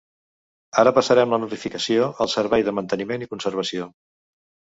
Ara passarem la notificació al Servei de Manteniment i Conservació.